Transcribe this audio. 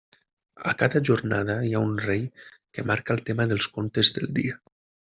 A cada jornada hi ha un rei que marca el tema dels contes del dia.